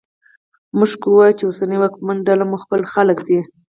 موږ که وایوو چې اوسنۍ واکمنه ډله مو خپل خلک دي